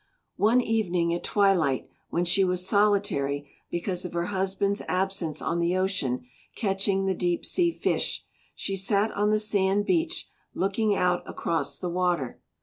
One evening at twilight when she was solitary because of her husband's absence on the ocean catching the deep sea fish, she sat on the sand beach looking out across the water.